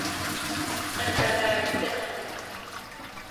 อันตรายิกธรรม